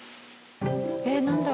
えっなんだろう？